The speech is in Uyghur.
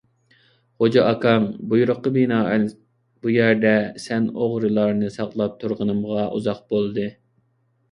غوجا ئاكاڭ، بۇيرۇققا بىنائەن بۇ يەردە سەن ئوغرىلارنى ساقلاپ تۇرغىنىمغا ئۇزاق بولدى!